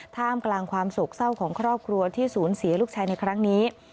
ท่ามกลางความโศกเศร้าของครอบครัวที่สูญเสียลูกชายในครั้งนี้